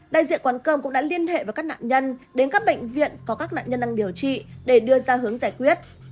đại diện quán cơm cũng đã liên hệ với các nạn nhân đến các bệnh viện có các nạn nhân đang điều trị để đưa ra hướng giải quyết